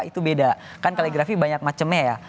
itu beda kan kaligrafi banyak macamnya ya